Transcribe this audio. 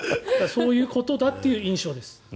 そういうことだという印象です。